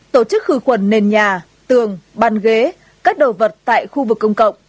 tổ chức khử khuẩn nền nhà tường bàn ghế các đồ vật tại khu vực công cộng